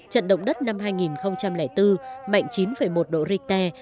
trận động đất năm hai nghìn bốn mạnh chín một độ richter